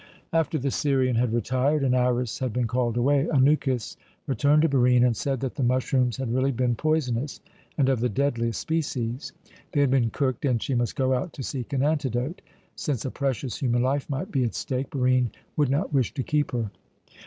After the Syrian had retired and Iras had been called away, Anukis returned to Barine and said that the mushrooms had really been poisonous, and of the deadliest species. They had been cooked, and she must go out to seek an antidote. Since a precious human life might be at stake, Barine would not wish to keep her.